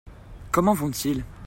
Comment vont-ils ?